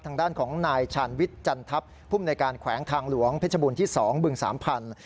ทางด้านของนายฉานวิทย์จันทรัพย์ภูมิในการแขวงทางหลวงพิจบุลที่๒บ๓พันธุ์